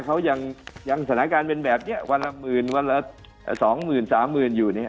เขายังสถานการณ์เป็นแบบนี้วันละหมื่นวันละสองหมื่นสามหมื่นอยู่เนี่ย